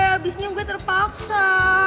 abisnya gue terpaksa